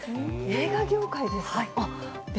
映画業界ですか。